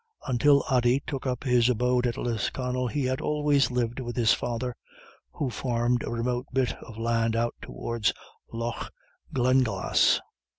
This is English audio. Until Ody took up his abode at Lisconnel he had always lived with his father, who farmed a remote bit of land out towards Lough Glenglas.